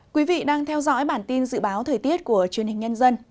quý vị đang theo dõi bản tin dự báo thời tiết của truyền hình nhân dân